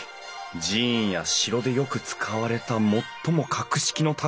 寺院や城でよく使われた最も格式の高い構造。